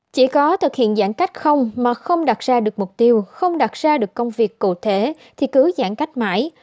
chỉ có thực hiện giãn cách không mà không đặt ra được mục tiêu không đặt ra được công việc cụ thể thì cứ giãn cách mãi